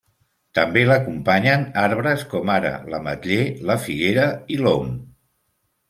També l'acompanyen arbres, com ara l'ametller, la figuera i l'om.